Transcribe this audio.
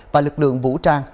và lực lượng vũ trang